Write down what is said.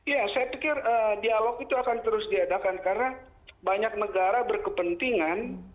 ya saya pikir dialog itu akan terus diadakan karena banyak negara berkepentingan